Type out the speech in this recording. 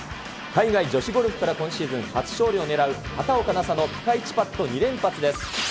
海外女子ゴルフから、今シーズン初勝利を狙う畑岡奈紗のピカイチパット２連発です。